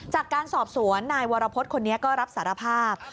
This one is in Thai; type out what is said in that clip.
จากการสอบสวนนายวรพฤษคนนี้ก็รับสารภาพ